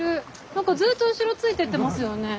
なんかずっと後ろついてってますよね。